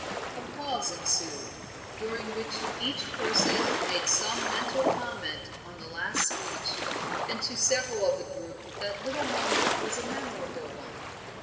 A pause ensued, during which each person made some mental comment on the last speech, and to several of the group that little moment was a memorable one.